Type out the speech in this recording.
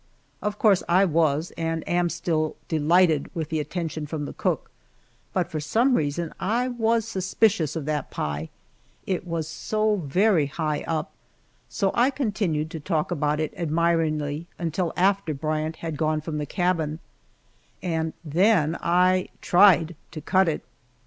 Of course I was, and am still, delighted with the attention from the cook, but for some reason I was suspicious of that pie, it was so very high up, so I continued to talk about it admiringly until after Bryant had gone from the cabin, and then I tried to cut it!